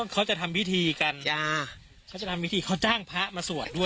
เขาจะทำพิธีกันยาเขาจะทำพิธีเขาจ้างพระมาสวดด้วย